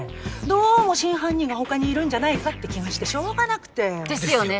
どうも真犯人が他にいるんじゃないかって気がしてしょうがなくて。ですよね。